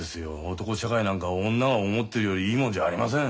男社会なんか女が思ってるよりいいもんじゃありません。